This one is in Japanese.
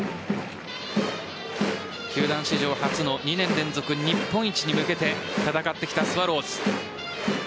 球団史上初の２年連続日本一に向けて戦ってきたスワローズ。